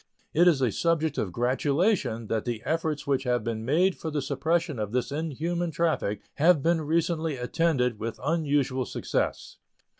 It is a subject of gratulation that the efforts which have been made for the suppression of this inhuman traffic have been recently attended with unusual success.